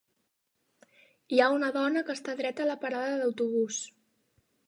Hi ha una dona que està dreta a la parada d'autobús.